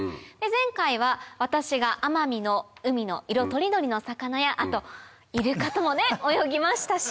前回は私が奄美の海の色とりどりの魚やあとイルカともね泳ぎましたし。